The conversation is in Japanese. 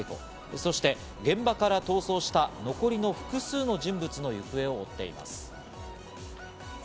そして現場から逃走した残りの複数の人物の行方を追っています。